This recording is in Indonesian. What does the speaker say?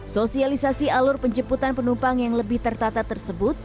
sosialisasi alur penjemputan penumpang yang lebih tertata tersebut